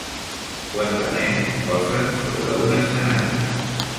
Quatre nens posen sobre un escenari.